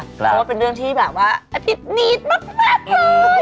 เพราะว่าเป็นเรื่องที่แบบว่าอาทิตย์นิดมากเลย